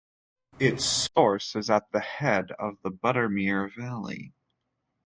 Its source is at the head of the Buttermere valley.